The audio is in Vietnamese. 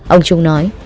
ông thương nói